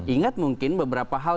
ingat mungkin beberapa hal